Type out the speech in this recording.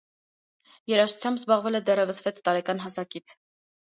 Երաժշտությամբ զբաղվել է դեռևս վեց տարեկան հասակից։